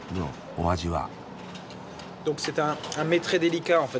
お味は。